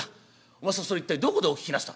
お前さんそれ一体どこでお聞きなすった？」。